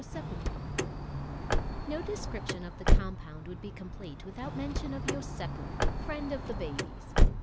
] NO description of the compound would be complete without mention of Yosépu, friend of the babies.